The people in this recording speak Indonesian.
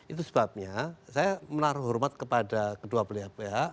itu sebabnya saya menaruh hormat kepada kedua belah pihak